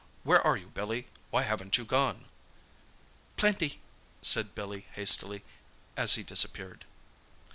Where are you, Billy? Why haven't you gone?" "Plenty!" said Billy hastily, as he disappeared.